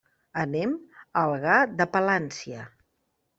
Anem a Algar de Palància.